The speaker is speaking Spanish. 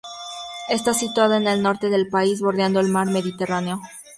Está situada en el norte del país, bordeando el mar Mediterráneo.